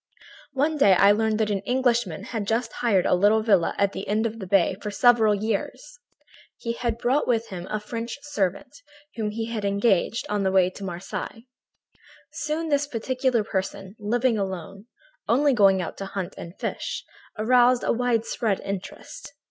"One day I learned that an Englishman had just hired a little villa at the end of the bay for several years. He had brought with him a French servant, whom he had engaged on the way at Marseilles. "Soon this peculiar person, living alone, only going out to hunt and fish, aroused a widespread interest.